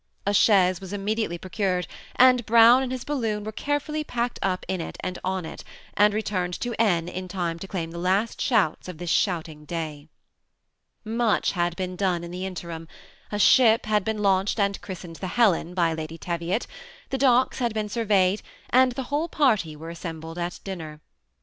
A chaise was immediately procured ; and Brown and his balloon were carefully {fticked up in it and on it, and returned to N. in time to claim the last shouts of this shouting day. Much had been done in the interim, — a ship had been launched, and christened " The Helen " by Lady Teviot ; the docks had been surveyed, and the whole party were assembled at dinner.